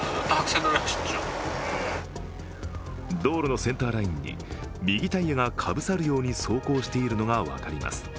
道路のセンターラインに右タイヤがかぶさるように走行しているのが分かります。